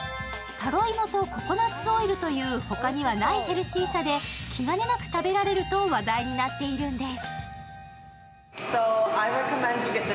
タロイモとココナッツオイルというほかにはないヘルシーさで気兼ねなく食べられると話題になっているんです。